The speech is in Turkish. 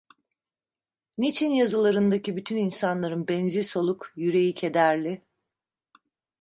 Niçin yazılarındaki bütün insanların benzi soluk, yüreği kederli?